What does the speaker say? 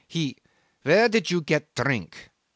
He ... 'Where did you get drink?